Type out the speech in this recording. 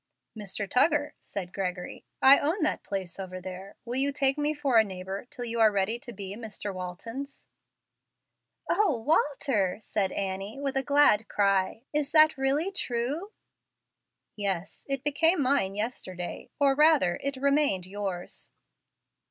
"Mr. Tuggar," said Gregory, "I own that place over there. Will you take me for a neighbor till you are ready to be Mr. Walton's?" "O, Walter!" said Annie, with a glad cry, "is that really true?" "Yes, it became mine yesterday; or, rather, it remained yours."